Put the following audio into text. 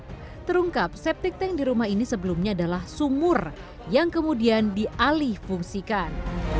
tidak terungkap septic tank di rumah ini sebelumnya adalah sumur yang kemudian dialih fungsikan